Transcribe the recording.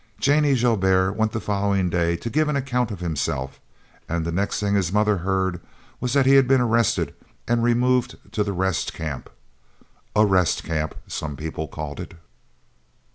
Jannie Joubert went the following day to give an account of himself, and the next thing his mother heard was that he had been arrested and removed to the Rest Camp. (Arrest Camp, some people called it!)